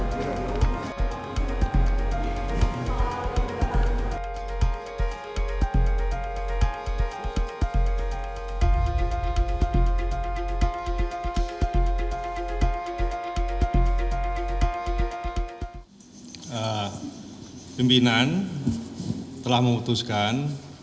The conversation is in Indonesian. pemimpinan telah memutuskan